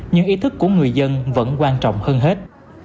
nhưng ý thức của người dân vẫn quan trọng hơn hết